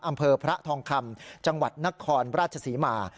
อำเภอพระทองคำจังหวัดนครราชศรีมา